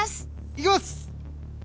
いきます！